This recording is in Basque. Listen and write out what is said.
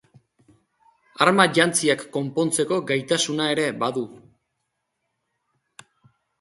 Armajantziak konpontzeko gaitasuna ere badu.